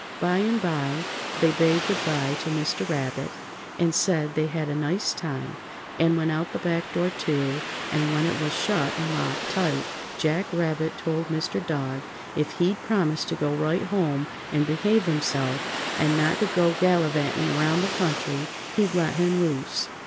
By and by they bade goodby to Mr. Rabbit and said they'd had a nice time, and went out the back door, too, and when it was shut and locked tight Jack Rabbit told Mr. Dog if he'd promise to go right home and behave himself, and not go gallivanting around the country, he'd let him loose.